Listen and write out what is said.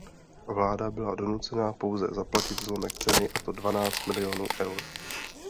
Vláda byla donucena pouze zaplatit zlomek ceny a to dvanáct milionů eur.